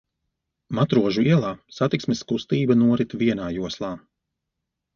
Matrožu ielā satiksmes kustība norit vienā joslā.